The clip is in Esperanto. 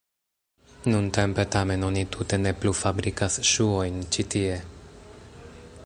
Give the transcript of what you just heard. Nuntempe tamen oni tute ne plu fabrikas ŝuojn ĉi tie.